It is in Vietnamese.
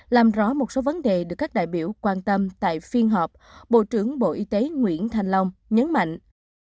làm rõ một số vấn đề được các đại biểu quan tâm tại phiên họp bộ trưởng bộ y tế nguyễn thanh long nhấn mạnh